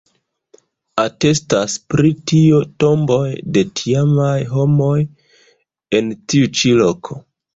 Atestas pri tio tomboj de tiamaj homoj en tiu ĉi loko.